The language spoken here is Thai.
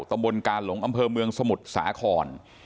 ตมวลกาลงอำเภอเมืองสมุดสาขอน